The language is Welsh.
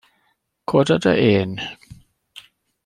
Coda dy ên.